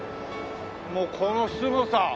もうこのすごさ。